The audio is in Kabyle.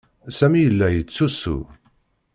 Sami yella yettusu.